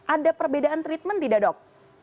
ada perbedaan treatment tidak dok